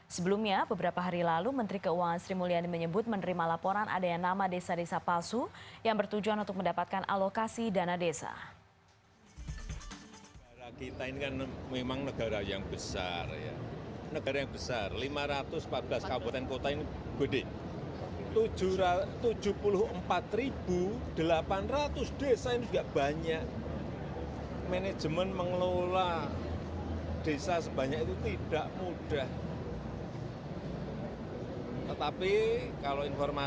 sebelumnya beberapa hari lalu menteri keuangan sri mulyani menyebut menerima laporan adanya nama desa desa palsu yang bertujuan untuk mendapatkan alokasi dana desa